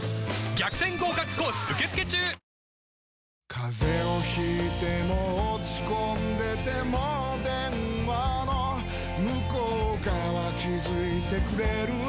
風邪を引いても落ち込んでても電話の向こう側気付いてくれるあなたの声